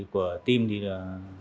của team thì là